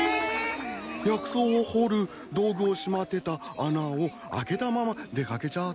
薬草を掘る道具をしまってた穴を開けたまま出掛けちゃった。